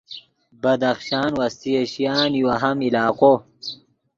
بدخشان وسطی ایشیان یو اہم علاقو